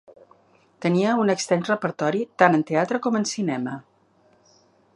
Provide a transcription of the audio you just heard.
Tenia un extens repertori tant en teatre com en cinema.